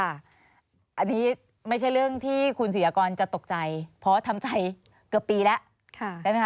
อันนี้ไม่ใช่เรื่องที่คุณศิยากรจะตกใจเพราะทำใจเกือบปีแล้วได้ไหมคะ